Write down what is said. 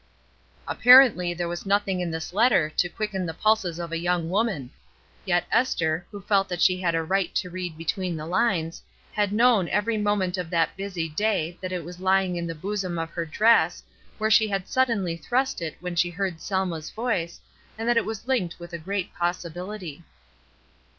Apparently there was nothing in this letter to quicken the pulses of a young woman; yet Esther, who felt that she had a right to read between the lines, had known every moment of that busy day that it was lying in the bosom of her dress where she had suddenly thrust it when she heard Selma's voice, and that it was linked with a great possibility.